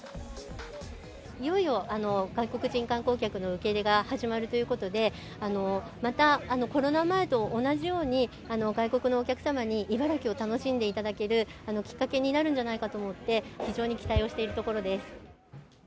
いよいよ外国人観光客の受け入れが始まるということで、またコロナ前と同じように、外国のお客様に茨城を楽しんでいただけるきっかけになるんじゃないかと思って、非常に期待をしているところです。